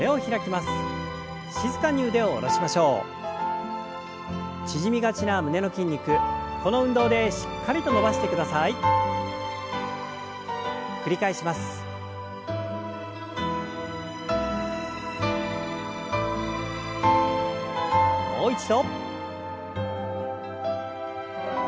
もう一度。